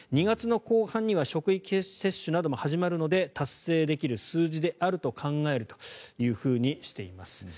２月の後半には職域接種なども始まるので達成できる数字であると考えるとしています。